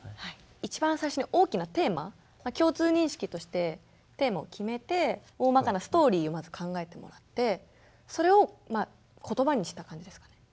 一番最初に大きなテーマ共通認識としてテーマを決めて大まかなストーリーをまず考えてもらってそれを言葉にした感じですかね。